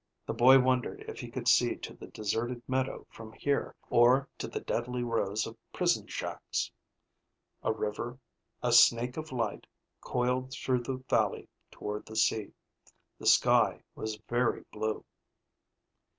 The boy wondered if he could see to the deserted meadow from here, or to the deadly rows of prison shacks. A river, a snake of light, coiled through the valley toward the sea. The sky was very blue.